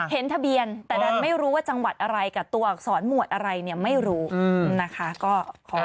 เห็นทะเบียนแต่ดันไม่รู้ว่าจังหวัดอะไรกับตัวอักษรหมวดอะไรเนี่ยไม่รู้นะคะ